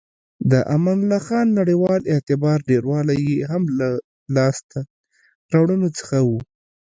د امان الله خان نړیوال اعتبار ډیروالی یې هم له لاسته راوړنو څخه و.